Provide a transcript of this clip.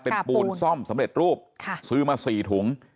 เป็นปูนซ่อมสำเร็จรูปซื้อมา๔ถุง